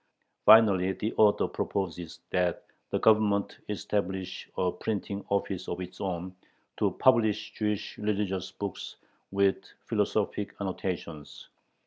Finally the author proposes that the Government establish a printing office of its own, to publish Jewish religious books "with philosophic annotations."